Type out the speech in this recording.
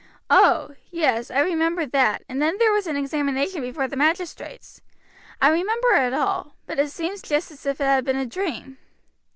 Oh! yes, I remember that, and then there was an examination before the magistrates. I remember it all; but it seems just as if it had been a dream."